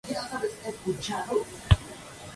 Veintidós manuscritos de los conservados las tienen.